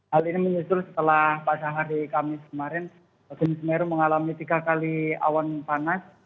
hal ini menyusul setelah pada hari kamis kemarin gunung semeru mengalami tiga kali awan panas